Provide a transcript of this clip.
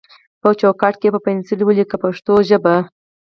په چوکاټ کې یې په پنسل ولیکئ په پښتو ژبه.